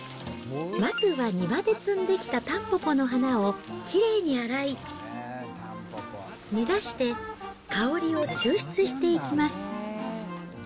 まずは庭で摘んできたタンポポの花をきれいに洗い、煮出して、香りを抽出していきます。